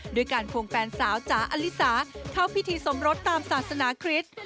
ด้วยการควงแฟนสาวจ๋าอลิสาเข้าพิธีสมรสตามศาสนาคริสต์